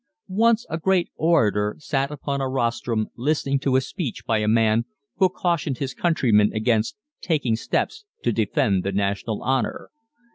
Once a great orator sat upon a rostrum listening to a speech by a man who cautioned his countrymen against taking steps to defend the national honor.